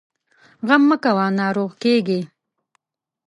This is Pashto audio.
غم مه کوه ، ناروغ کېږې!